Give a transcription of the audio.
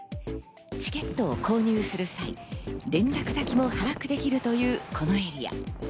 チケットを購入する際、連絡先も把握できるというこのエリア。